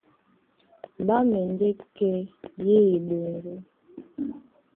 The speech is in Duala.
Ɓá mɛndɛ́ kɛ́ yé eɓoŋgó,